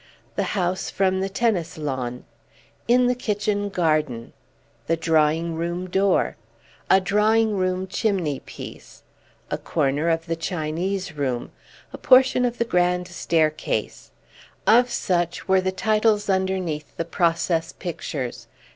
"The House from the Tennis Lawn," "In the Kitchen Garden," "The Drawing room Door," "A Drawing room Chimney piece," "A Corner of the Chinese Room," "A Portion of the Grand Staircase" of such were the titles underneath the process pictures.